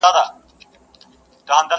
چي تا نه مني داټوله ناپوهان دي،